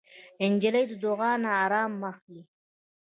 نجلۍ له دعا نه ارام اخلي.